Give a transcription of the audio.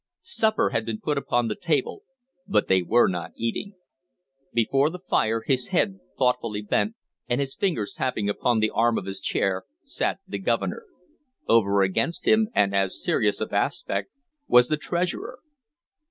Supper had been put upon the table, but they were not eating. Before the fire, his head thoughtfully bent, and his fingers tapping upon the arm of his chair, sat the Governor; over against him, and as serious of aspect, was the Treasurer.